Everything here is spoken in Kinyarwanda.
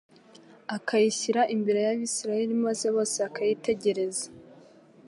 akayishyira imbere y'Abisirayeli maze bose bakayitegereza.